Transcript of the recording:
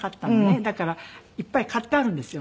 だからいっぱい買ってあるんですよ。